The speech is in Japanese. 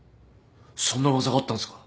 そんな噂があったんですか？